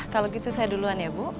kalau gitu saya duluan ya bu